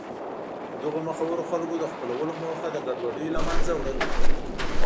د دغو مخورو خلکو د خپلولو موخه د ګډوډیو له منځه وړل و.